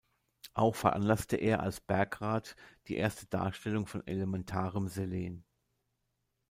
Auch veranlasste er als Bergrat die erste Darstellung von elementarem Selen.